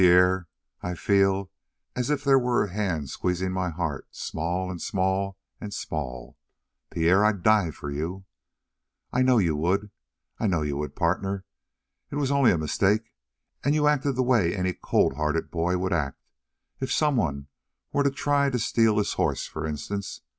"Pierre, I feel as if there were a hand squeezing my heart small, and small, and small. Pierre, I'd die for you!" "I know you would. I know you would, partner. It was only a mistake, and you acted the way any coldhearted boy would act if if someone were to try to steal his horse, for instance.